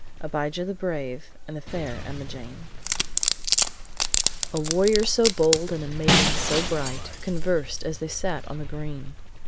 ABIJAH THE BRAVE AND THE FAIR EMMAJANE I "A warrior so bold and a maiden so bright Conversed as they sat on the green.